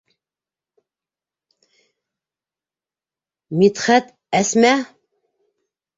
Мидхәт, әсмә!